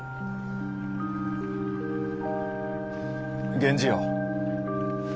源氏よ。